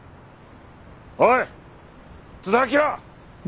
おい津田明！